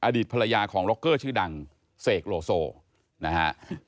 อดีตภรรยาของร็อกเกอร์ชื่อดังเสกโลโซนะฮะ